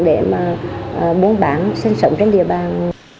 để mà bốn bạn sinh sống trên địa bàn